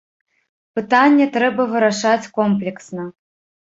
Пытанне трэба вырашаць комплексна.